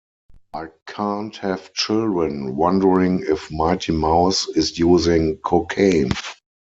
I can't have children wondering if Mighty Mouse is using cocaine.